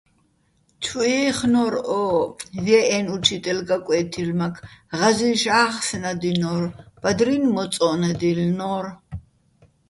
ჩუ ჲეხნო́რ ო ჲე́ჸენო̆ უჩიტელ გაკვე́თილმაქ, ღაზი́შ ა́ხსნადინო́რ, ბადრინ მოწო́ნადჲელნო́რ.